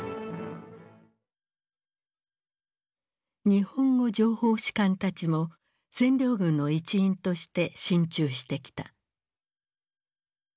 日本語情報士官たちも占領軍の一員として進駐してきた。